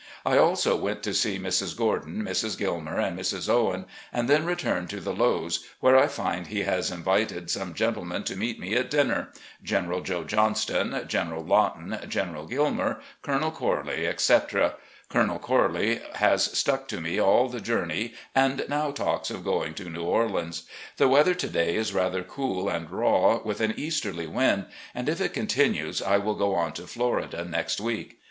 I also went to see Mrs. Gordon, Mrs. Gilmer, and' Mrs. Owen, and then re turned to the Lowes', where I find he has invited some gentlemen to meet me at dinner — General Joe Johnston, General Lawton, General Gilmer, Colonel Corley, etc. Colonel Corley has stuck to me all the journey, and now talks of going to New Orleans. The weather to day is rather cool and raw, with an easterly wind, and if it con tinues I will go on to Florida next week.